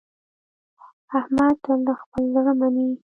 احمد تل د خپل زړه مني.